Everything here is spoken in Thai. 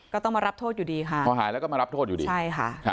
ก็ต้องมารับโทษอยู่ดีพอหายแล้วก็มารับโทษอยู่ดี